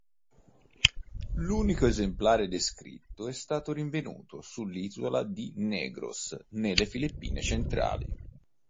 L'unico esemplare descritto è stato rinvenuto sull'isola di Negros nelle Filippine centrali.